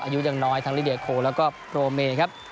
อายุยังน้อยทั้งลิเดียโคแล้วก็โปรเมครับ